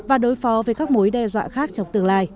và đối phó với các mối đe dọa khác trong tương lai